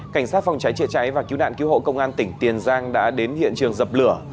cảnh sát phòng cháy chữa cháy và cứu nạn cứu hộ công an tỉnh tiền giang đã đến hiện trường dập lửa